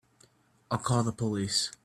I'll call the police.